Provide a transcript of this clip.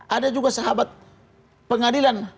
ada juga sahabat pengadilan